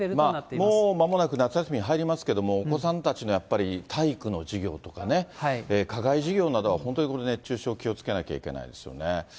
もうまもなく夏休みに入りますけど、お子さんたちのやっぱり体育の授業とかね、課外授業などは本当に熱中症、気をつけなきゃいけないですよね。